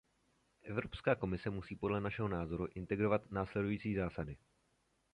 Evropská komise musí podle našeho názoru integrovat následující zásady.